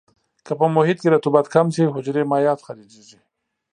که په محیط کې رطوبت کم شي حجرې مایعات خارجيږي.